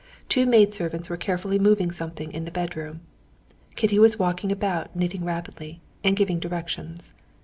Two maid servants were carefully moving something in the bedroom. Kitty was walking about knitting rapidly and giving directions.